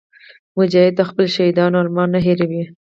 مجاهد د خپلو شهیدانو ارمان نه هېروي.